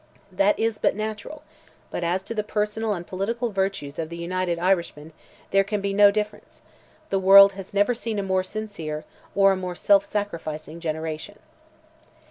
That is but natural: but as to the personal and political virtues of the United Irishmen there can be no difference; the world has never seen a more sincere or more self sacrificing generation.